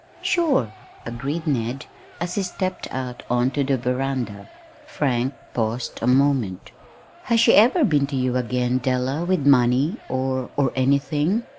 "Sure!" agreed Ned, as he stepped out on to the veranda. Frank paused a moment. "Has she ever been to you again, Della, with money, or or anything?"